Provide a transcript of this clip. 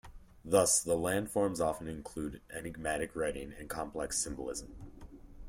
Thus the landforms often include enigmatic writing and complex symbolism.